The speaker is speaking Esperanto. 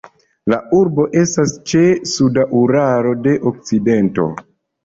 La urbo estas ĉe suda Uralo de okcidento.